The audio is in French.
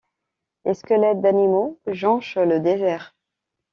Les squelettes d’animaux jonchent le désert.